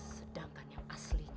sedangkan yang aslinya